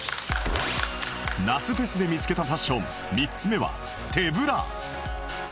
夏フェスで見つけたファッション３つ目は手ぶら